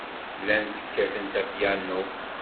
Llant kkatent apyanu.